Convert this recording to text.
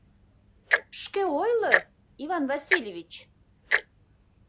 Шке ойло, Иван Васильевич!